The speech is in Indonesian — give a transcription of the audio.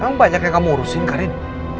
kamu banyak yang kamu urusin karin